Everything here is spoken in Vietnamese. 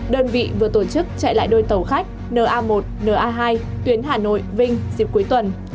đơn vị vừa tổ chức chạy lại đôi tàu khách na một na hai tuyến hà nội vinh dịp cuối tuần